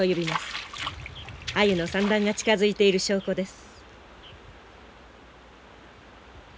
アユの産卵が近づいている証拠です。